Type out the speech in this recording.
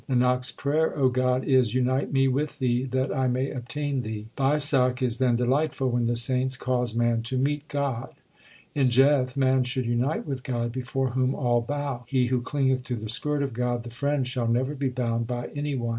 Nanak s prayer, O God, is Unite me with Thee that I may obtain Thee. Baisakh is then delightful when the saints cause man to meet God. In Jeth man should unite with God before whom all bow. He who clingeth to the skirt of God, the Friend, shall never be bound by any one.